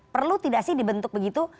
perlu tidak sih dibentuk begitu